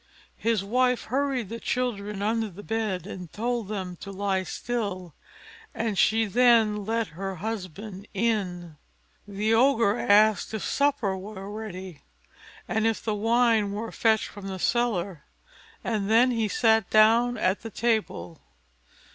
His wife hurried the children under the bed, and told them to lie still, and she then let her husband in. The Ogre asked if supper were ready, and if the wine were fetched from the cellar; and then he sat down at the table.